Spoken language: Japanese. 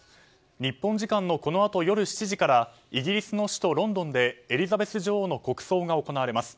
日本時間のこのあと夜７時からイギリスの首都ロンドンでエリザベス女王の国葬が行われます。